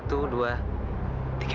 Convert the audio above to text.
satu dua tiga